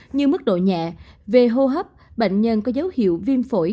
như mức độ nhẹ v hô hấp bệnh nhân có dấu hiệu viêm phổ